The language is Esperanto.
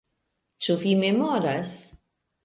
Ĉu vi memoras?